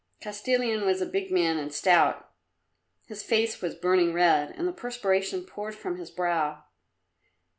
Kostilin was a big man and stout; his face was burning red, and the perspiration poured from his brow.